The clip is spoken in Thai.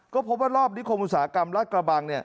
ก็พบว่ารอบนิคมอุตสาหกรรมรัฐกระบัง